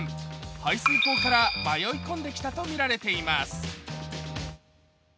排水溝から迷い込んできたとみられています。